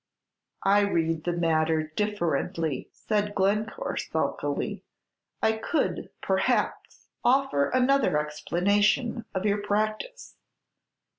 "I read the matter differently," said Glencore, sulkily; "I could, perhaps, offer another explanation of your practice."